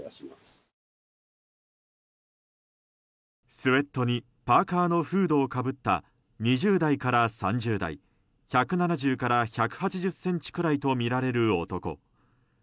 スウェットにパーカのフードをかぶった２０代から３０代１７０から１８０ｃｍくらいとみられる男。